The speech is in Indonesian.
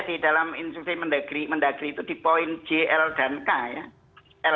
di dalam instruksi mendagri mendagri itu di poin jl dan k ya